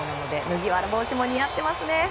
麦わら帽子も似合っていますね。